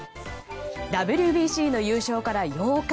ＷＢＣの優勝から８日。